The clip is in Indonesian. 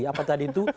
apa tadi itu